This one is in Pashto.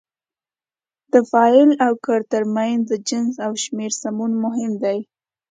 د فاعل او کړ ترمنځ د جنس او شمېر سمون مهم دی.